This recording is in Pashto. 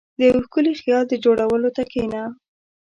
• د یو ښکلي خیال د جوړولو ته کښېنه.